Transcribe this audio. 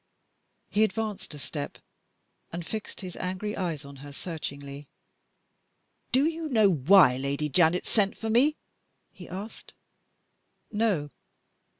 He advanced a step, and fixed his angry eyes on her searchingly. "Do you know why Lady Janet sent for me?" he asked. "No."